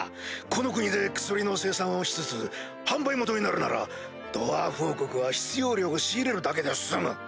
この国で薬の生産をしつつ販売元になるならドワーフ王国は必要量を仕入れるだけで済む。